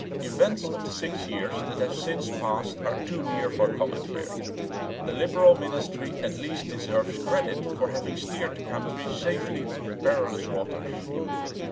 The events of the six years that have since passed are too near for comment here. The liberal ministry at least deserves credit for having steered the country safely through perilous waters.